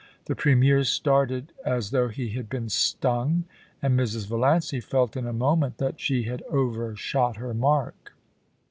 * The Premier started as though he had been stung, and Mrs. Valiancy felt in a moment that she had overshot her mark.